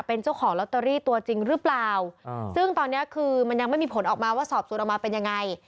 เป็นเจ้าของลอตเตอรี่ตัวจริงหรือเปล่าซึ่งตอนเนี้ยคือมันยังไม่มีผลออกมาว่าสอบส่วนออกมาเป็นยังไง